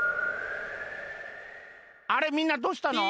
あれみんなどうしたの？